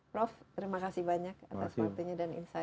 prof terima kasih banyak atas waktunya dan insight